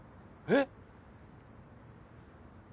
えっ？